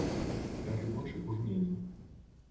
Бяры вочы ў жменю.